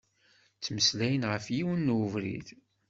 Ttmeslayen ɣef yiwen n ubrid.